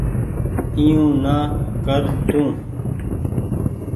اي يو نا ڪر تو